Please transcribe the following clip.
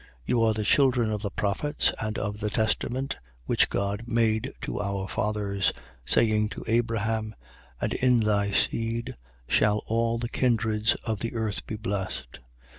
3:25. You are the children of the prophets and of the testament which God made to our fathers, saying to Abraham: And in thy seed shall all the kindreds of the earth be blessed.